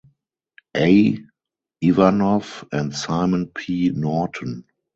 A. Ivanov and Simon P. Norton.